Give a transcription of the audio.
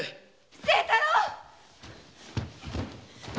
清太郎！